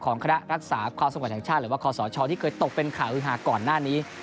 ของคณะรักษาคอสมัยชาวสก๊อตที่เคยตกเป็นข่าวอุฮาก่อนหน้านี้